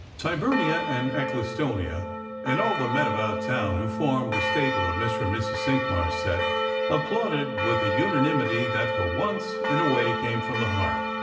Tyburnia and Ecclestonia, and all the men about town who formed the staple of Mr. and Mrs. Cinqmars' set, applauded with a unanimity that for once in a way came from the heart.